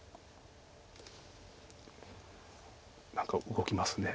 何か動きますね